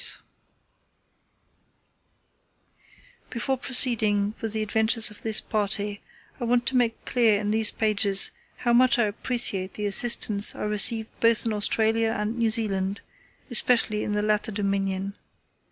Before proceeding with the adventures of this party I want to make clear in these pages how much I appreciate the assistance I received both in Australia and New Zealand, especially in the latter dominion.